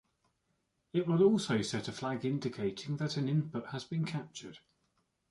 It will also set a flag indicating that an input has been captured.